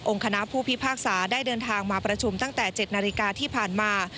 คณะผู้พิพากษาได้เดินทางมาประชุมตั้งแต่๗นาฬิกาที่ผ่านมา